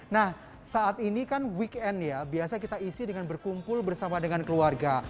nah saat ini kan weekend ya biasa kita isi dengan berkumpul bersama dengan keluarga